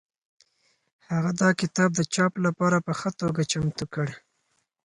هغه دا کتاب د چاپ لپاره په ښه توګه چمتو کړ.